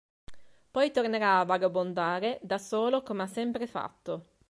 Poi tornerà a vagabondare da solo, come ha sempre fatto.